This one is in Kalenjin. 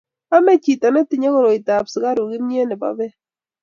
amei chito ne tinyei koroitab sukaruk kimyet ne bo beek